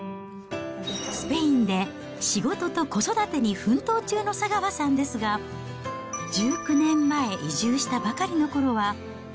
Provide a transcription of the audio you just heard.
スペインで仕事と子育てに奮闘中の佐川さんですが、１９年前、移住したばかりのころは。